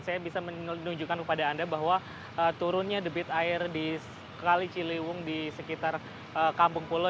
saya bisa menunjukkan kepada anda bahwa turunnya debit air di kali ciliwung di sekitar kampung pulo